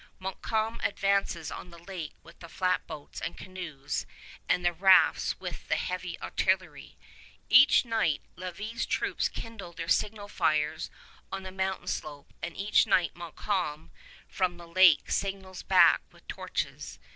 Montcalm advances on the lake with the flatboats and canoes, and the rafts with the heavy artillery. Each night Lévis' troops kindle their signal fires on the mountain slope, and each night Montcalm from the lake signals back with torches.